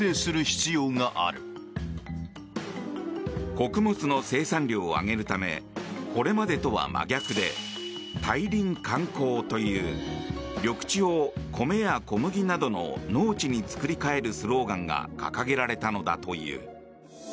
穀物の生産量を上げるためこれまでとは真逆で退林還耕という緑地を米や小麦などの農地に作り替えるスローガンが掲げられたのだという。